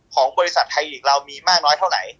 ของบริษัทไทยลีกเรามีมากน้อยเท่าไหน